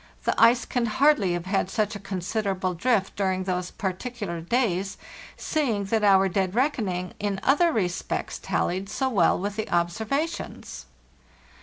The ice can hardly have had such a considerable drift during those particular days, seeing that our dead reckoning in other respects tallied so well with the observations.